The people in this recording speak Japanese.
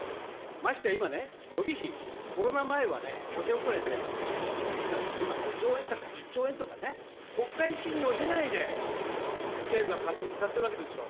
ましてや今ね、予備費、コロナ前は５０００億ぐらいで済んだんだけど、今５兆円とか１０兆円とかね、国会審議を経ないで、政府が勝手に使ってるわけですよ。